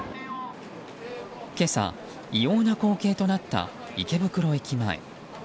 今朝、異様な光景となった池袋駅前。